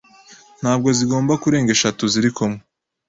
ntabwo zigomba kurenga eshatu ziri kumwe.